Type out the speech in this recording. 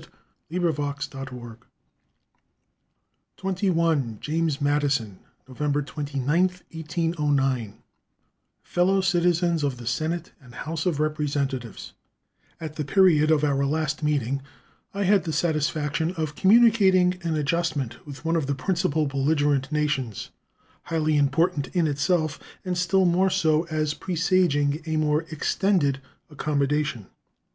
TH. JEFFERSON State of the Union Address James Madison November 29, 1809 Fellow Citizens of the Senate and House of Representatives: At the period of our last meeting I had the satisfaction of communicating an adjustment with one of the principal belligerent nations, highly important in itself, and still more so as presaging a more extended accommodation.